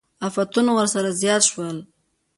افتونه ورسره زیات شول.